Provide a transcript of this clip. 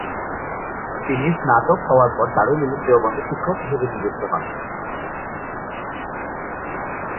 তিনি স্নাতক হওয়ার পর দারুল উলুম দেওবন্দে শিক্ষক হিসেবে নিযুক্ত হন।